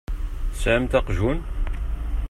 Tesɛamt aqjun?